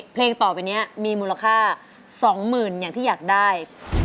เพลงต่อไปนี้มีมูลค่า๒๐๐๐อย่างที่อยากได้